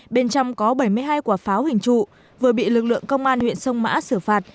bên trong có bảy mươi hai quả pháo hình trụ vừa bị lực lượng công an huyện sông mã xử phạt